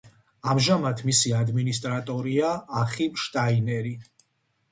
ამჟამად მისი ადმინისტრატორია ახიმ შტაინერი.